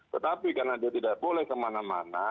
tetapi karena dia tidak boleh kemana mana